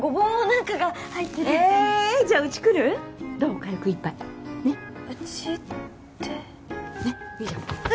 軽く一杯ねっうちってねっいいじゃんえ？